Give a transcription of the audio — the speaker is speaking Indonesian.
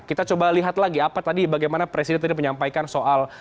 kita coba lihat lagi apa tadi bagaimana presiden tadi menyampaikan soal